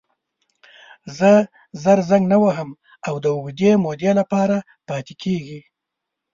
سره زر زنګ نه وهي او د اوږدې مودې لپاره پاتې کېږي.